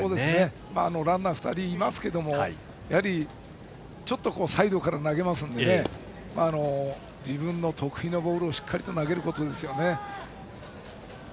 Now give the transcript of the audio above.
ランナー２人いますけどちょっとサイドから投げますので自分の得意なボールをしっかり投げることですよね。